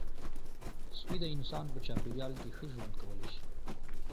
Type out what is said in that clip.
سپي د انسان په چاپېریال کې ښه ژوند کولی شي.